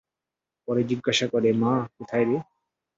পরে জিজ্ঞাসা করে-মা কোথায় রে?